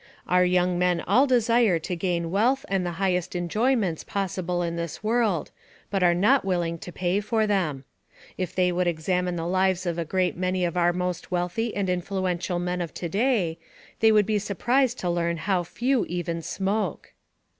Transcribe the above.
Our young men all desire to gain wealth and the highest enjoyments possible in this world, but are not willing to pay for them. If they would examine the lives of a great many of our most wealthy and influential men of to day, they would be surprised to learn how few even smoke.